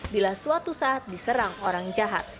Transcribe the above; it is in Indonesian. bila suatu saat diserang orang jahat